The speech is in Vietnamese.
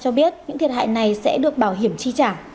japan airlines cho biết những thiệt hại này sẽ được bảo hiểm tri trả